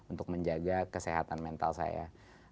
untuk menjaga kesehatan mental saya